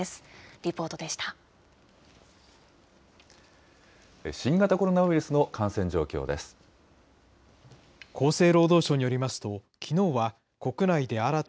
リポートでした。